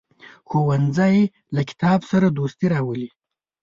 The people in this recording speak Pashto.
ښوونځی له کتاب سره دوستي راولي